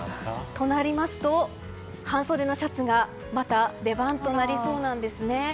となりますと、半袖のシャツがまた出番となりそうなんですね。